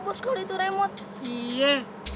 kalau itu remote